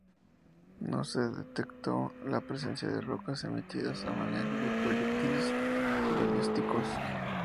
No se detectó la presencia de rocas emitidas a manera de proyectiles balísticos.